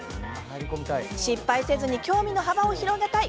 失敗せずに興味の幅を広げたい。